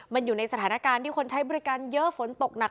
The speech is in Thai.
มันอยู่ในสถานการณ์ที่คนใช้บริการเยอะฝนตกหนัก